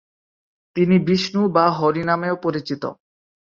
তিনি বিষ্ণু বা হরি নামেও পরিচিত।